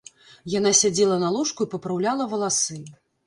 Яна сядзела на ложку і папраўляла валасы.